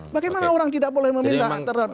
bagaimana orang tidak boleh meminta